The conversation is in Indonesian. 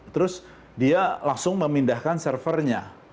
terus dia langsung memindahkan servernya